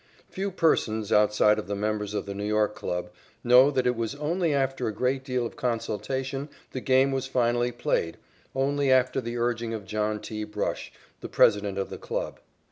Few persons, outside of the members of the New York club, know that it was only after a great deal of consultation the game was finally played, only after the urging of John T. Brush, the president of the club.